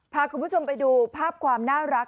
พาคุณผู้ชมไปดูภาพความน่ารัก